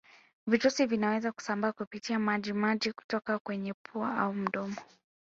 Virusi vinaweza kusambaa kupitia maji maji kutoka kwenye pua au mdomo